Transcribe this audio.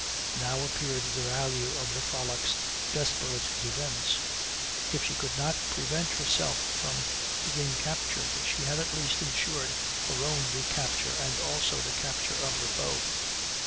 Now appeared the value of the Frolic's desperate defence; if she could not prevent herself from being captured, she had at least ensured her own recapture, and also the capture of the foe.